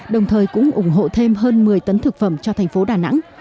đồng thời cũng ủng hộ thêm hơn một mươi tấn thực phẩm cho thành phố đà nẵng